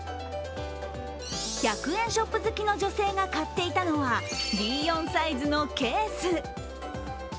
１００円ショップ好きの女性が買っていたのはＢ４サイズのケース。